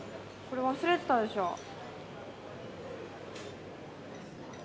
これ忘れてたでしょ。